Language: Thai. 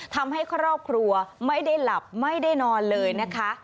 ทำให้ครอบครัวไม่ได้หลับไม่ได้นอนเลยนะคะ